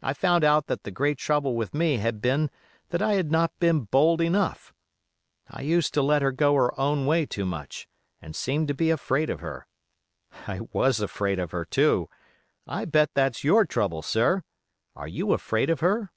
I found out that the great trouble with me had been that I had not been bold enough; I used to let her go her own way too much, and seemed to be afraid of her. I WAS afraid of her, too. I bet that's your trouble, sir: are you afraid of her?